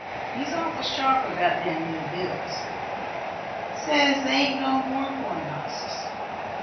He's awful sharp about them new bills. Sez they ain't no more'n corn husks.